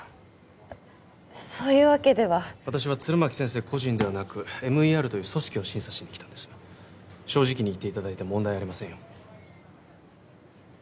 そういうわけでは私は弦巻先生個人ではなくＭＥＲという組織を審査しに来たんです正直に言っていただいて問題ありませんよ